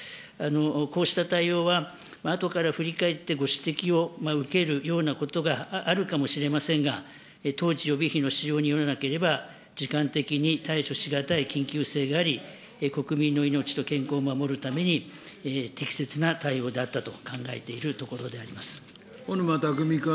こうした対応は、あとから振り返ってご指摘を受けるようなことがあるかもしれませんが、当時、予備費の使用によらなければ、時間的に対処し難い緊急性があり、国民の命と健康を守るために適切な対応であったと考えているとこ小沼巧君。